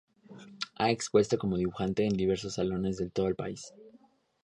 Ha expuesto como dibujante en diversos salones de todo el país.